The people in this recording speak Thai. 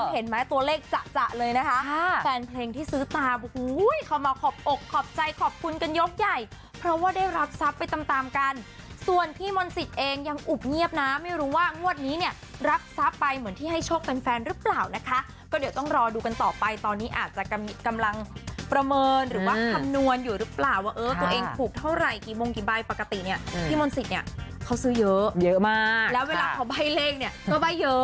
เห็นไหมตัวเลขจะเลยนะคะแฟนเพลงที่ซื้อตาเขามาขอบอกขอบใจขอบคุณกันยกใหญ่เพราะว่าได้รับทรัพย์ไปตามกันส่วนพี่มนศิษย์เองยังอุบเงียบนะไม่รู้ว่างวดนี้เนี่ยรับทรัพย์ไปเหมือนที่ให้โชคเป็นแฟนรึเปล่านะคะก็เดี๋ยวต้องรอดูกันต่อไปตอนนี้อาจจะกำลังประเมินหรือว่าคำนวณอยู่หรือเป